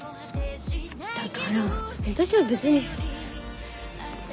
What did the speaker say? だから私は別に。